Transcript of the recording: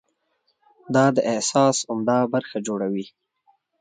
دا د احساس عمده برخه جوړوي.